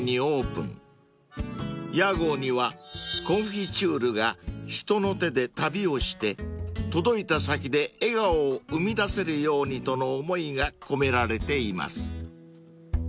［屋号には「コンフィチュールが人の手で旅をして届いた先で笑顔を生み出せるように」との思いが込められています］